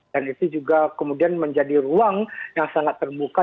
itu juga kemudian menjadi ruang yang sangat terbuka